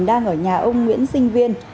đang ở nhà ông nguyễn sinh viên